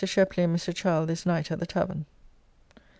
Sheply and Mr. Childe this night at the tavern.